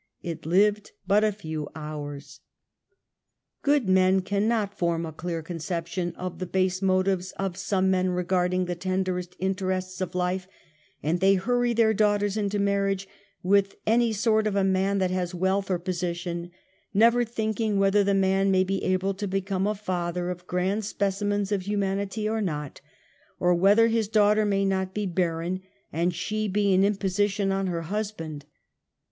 It lived but a few hours. Good men cannot form a clear conception of the fbase motives of some men regarding the tenderest ^interests of life, and they hurry their daughters into marriage with any sort of a man that has wealth or position, never thinking whether the man may be able to become a father of grand specimens of hu manity or not, or whether his daughter may not be barren and she be an imposition on her husband.